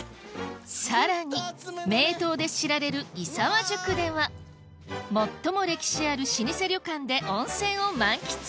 さらに名湯で知られる石和宿では最も歴史ある老舗旅館で温泉を満喫